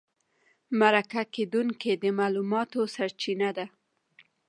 مرکه کېدونکی د معلوماتو سرچینه ده.